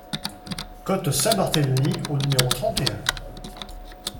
Côte Saint-Barthélémy au numéro trente et un